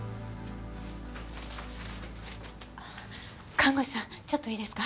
看護師さんちょっといいですか？